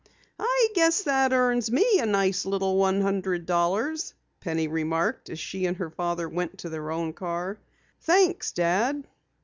"I guess that earns me a nice little one hundred dollars!" Penny remarked as she and her father went to their own car. "Thanks, Dad."